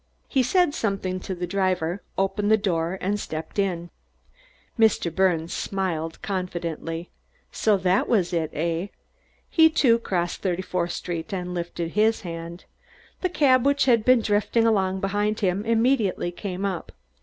He said something to the driver, opened the door and stepped in. Mr. Birnes smiled confidently. So that was it, eh? He, too, crossed Thirty fourth Street and lifted his hand. The cab which had been drifting along behind him immediately came up.